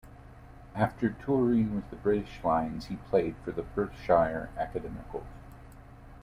After touring with the British Lions, he played for Perthshire Academicals.